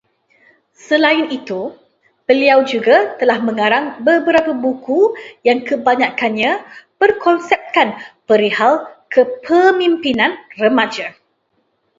Selain itu, beliau juga telah mengarang beberapa buku yang kebanyakkannya berkonsepkan perihal kepemimpinan remaja